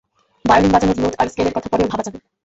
Violin বাজানোর note আর স্কেলের কথা পরেও ভাবা যাবে।